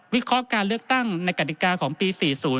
เคราะห์การเลือกตั้งในกฎิกาของปี๔๐